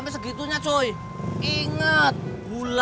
baik pa tetap aslan dulu lho